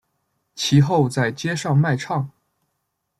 其后在街上卖唱。